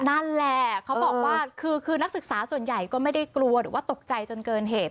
นั่นแหละเขาบอกว่าคือนักศึกษาส่วนใหญ่ก็ไม่ได้กลัวหรือว่าตกใจจนเกินเหตุ